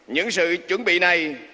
những sự chuẩn bị này